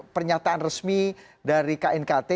pernyataan resmi dari knkt